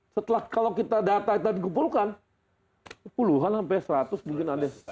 setelah kalau kita data kita dikumpulkan puluhan sampai seratus mungkin ada